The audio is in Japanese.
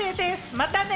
またね！